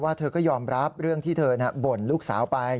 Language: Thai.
เธอก็ยอมรับเรื่องที่เธอบ่นลูกสาวไป